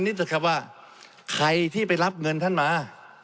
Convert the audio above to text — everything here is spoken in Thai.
เถอะครับว่าใครที่ไปรับเงินท่านมา